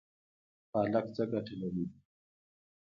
پالک څه ګټه لري؟